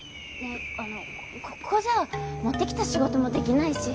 あのここじゃ持ってきた仕事もできないし。